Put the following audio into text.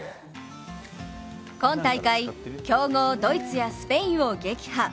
今大会、強豪・ドイツやスペインを撃破。